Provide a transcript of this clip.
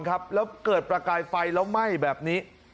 แล้วเกิดประกายไฟแล้วไหม้แบบนี้